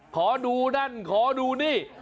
ขอดูนั่นขอดูนี่